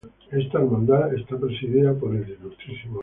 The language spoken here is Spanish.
Esta hermandad es presidida por el Ilmo.